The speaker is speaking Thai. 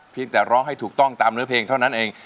เพียงแต่ช่วยร้องถูกต้องตามเนื้อเพลงเท่านั้นเอง